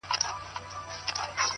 موږ به کله برابر سو له سیالانو!.